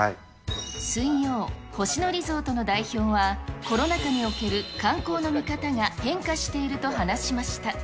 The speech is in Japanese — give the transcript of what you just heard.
水曜、星のリゾートの代表はコロナ禍における観光の見方が変化していると話しました。